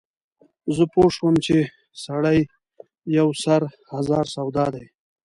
زه پوی شوم چې سړی یو سر هزار سودا دی.